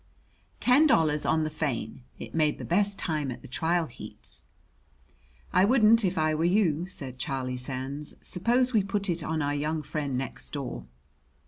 "Ten dollars on the Fein. It made the best time at the trial heats." "I wouldn't if I were you," said Charlie Sands. "Suppose we put it on our young friend next door."